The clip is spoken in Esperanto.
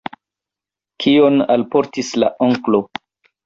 Kion alportis la onklo?